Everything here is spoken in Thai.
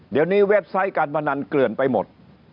เดี๋ยวนี้เว็บไซต์การพนันเกลื่อนไปหมด